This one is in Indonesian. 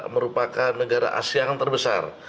merupakan negara asia yang terbesar